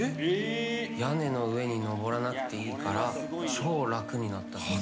屋根の上に登らなくていいから超楽になった。